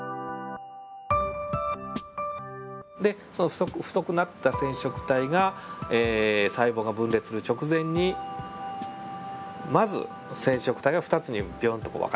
で太くなった染色体が細胞が分裂する直前にまず染色体が２つにびょんと分かれるんですね。